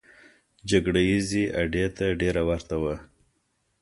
جګړه ییزې اډې ته ډېره ورته وه.